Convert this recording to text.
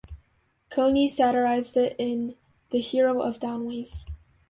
Coney satirised it in "The Hero of Downways".